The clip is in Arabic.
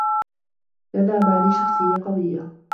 لدى ماري شخصيّة قويّة.